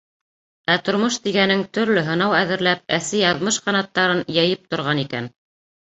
Ә тормош тигәнең төрлө һынау әҙерләп, әсе яҙмыш ҡанаттарын йәйеп торған икән.